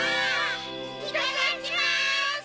いただきます！